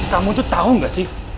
kamu tuh tahu nggak sih